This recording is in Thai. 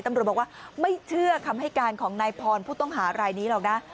ตำรวจบอกว่าไม่เชื่อคำให้การของนายพรผู้ต้องหารายนี้หรอกนะ